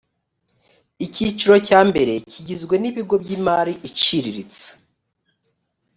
icyiciro cya mbere kigizwe n ibigo by imari iciriritse